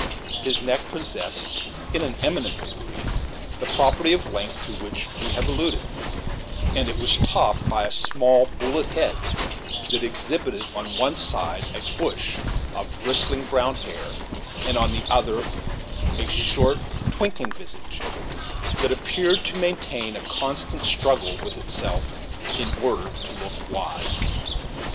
His neck possessed, in an eminent degree, the property of length to which we have alluded, and it was topped by a small bullet head that exhibited on one side a bush of bristling brown hair and on the other a short, twinkling visage, that appeared to maintain a constant struggle with itself in order to look wise.